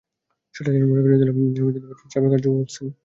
সেটাই যেন মনে করিয়ে দিলেন ফারো আইল্যান্ডের সাবেক কোচ লার্স ওলসেন।